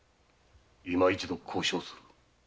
今一度交渉する。